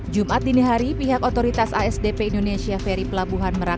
jumat dini hari pihak otoritas asdp indonesia ferry pelabuhan merak